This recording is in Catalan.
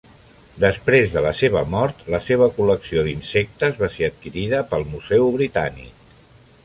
Després de la seva mort la seva col·lecció d'insectes va ser adquirida pel Museu britànic.